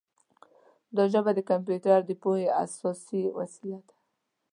دا ژبه د کمپیوټر د پوهې اساسي وسیله ده.